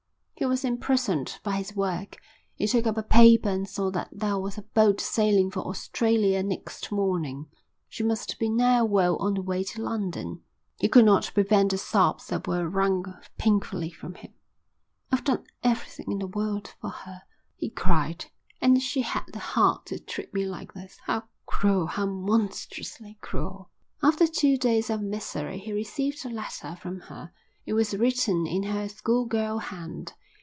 He was imprisoned by his work. He took up a paper and saw that there was a boat sailing for Australia next morning. She must be now well on the way to London. He could not prevent the sobs that were wrung painfully from him. "I've done everything in the world for her," he cried, "and she had the heart to treat me like this. How cruel, how monstrously cruel!" After two days of misery he received a letter from her. It was written in her school girl hand.